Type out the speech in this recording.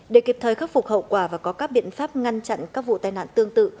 để kịp thời khắc phục hậu quả và có các biện pháp ngăn chặn các vụ tai nạn tương tự